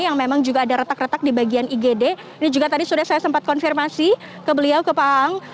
yang memang juga ada retak retak di bagian igd ini juga tadi sudah saya sempat konfirmasi ke beliau ke pak aang